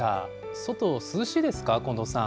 外、涼しいですか、近藤さん。